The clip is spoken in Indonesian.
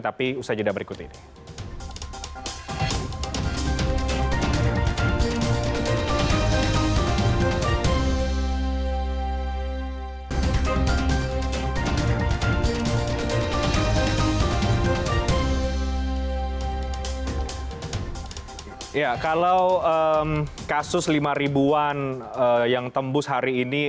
tapi usai jeda berikut ini